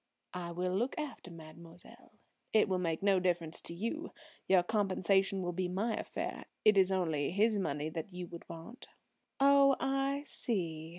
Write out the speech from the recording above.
"I will look after mademoiselle. It will make no difference to you. Your compensation will be my affair. It is only his money that you would want." "Oh, I see!"